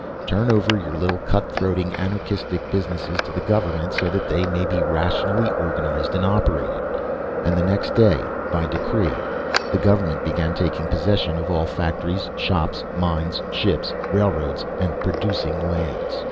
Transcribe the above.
Turn over your little cut throating, anarchistic businesses to the government so that they may be rationally organized and operated." And the next day, by decree, the government began taking possession of all factories, shops, mines, ships, railroads, and producing lands.